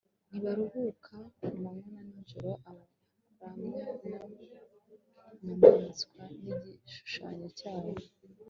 ntibaruhuka kumanywa na nijoro abaramya ya nyamaswa n'igishushanyo cyayo